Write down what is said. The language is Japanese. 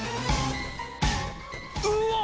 うわ！？